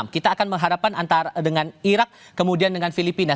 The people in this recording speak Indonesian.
kita akan mengharapkan antara dengan irak kemudian dengan filipina